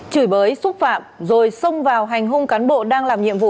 chửi bới xúc phạm rồi xông vào hành hung cán bộ đang làm nhiệm vụ